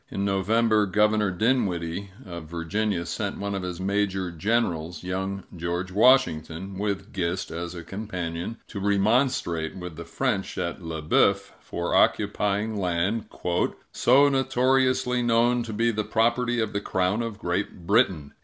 In November, Governor Dinwiddie, of Virginia, sent one of his major generals, young George Washington, with Gist as a companion, to remonstrate with the French at Le Boeuf for occupying land "so notoriously known to be the property of the Crown of Great Britain."